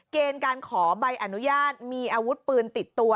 เกณฑ์การขอใบอนุญาตมีอาวุธปืนติดตัว